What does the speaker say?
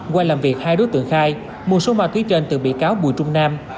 qua làm việc hai đối tượng khai mua số ma túy trên từ bị cáo bùi trung nam